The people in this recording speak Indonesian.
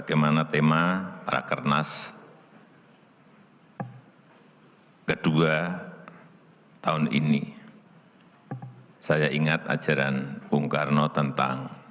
kalau kita berbicara desa